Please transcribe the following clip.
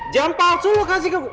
jam palsu lo kasih ke gue